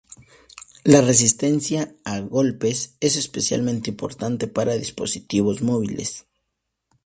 La resistencia a golpes es especialmente importante para dispositivos móviles.